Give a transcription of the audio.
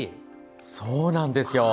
そうなんですよ。